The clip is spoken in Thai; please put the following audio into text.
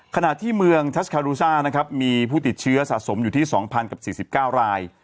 ขณะที่เมืองทัสคารูซ่านะครับมีผู้ติดเชื้อสะสมอยู่ที่๒๐กับ๔๙ราย